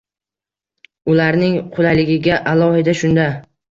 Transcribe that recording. Ularning qulayligiga alohida shunda